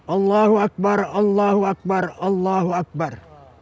allahu akbar allah akbar allahu akbar